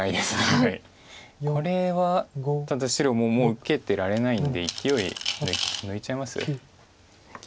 これはただ白ももう受けてられないんでいきおい抜いちゃいます？